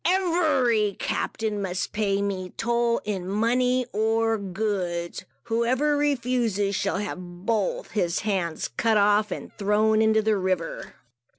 Every captain must pay me toll, in money or goods. Whoever refuses, shall have both his hands cut off and thrown into the river.